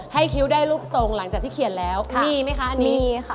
ให้คิ้วได้รูปทรงหลังจากที่เขียนแล้วมีมั้ยคะอันนี้